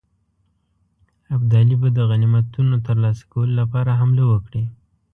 ابدالي به د غنیمتونو ترلاسه کولو لپاره حمله وکړي.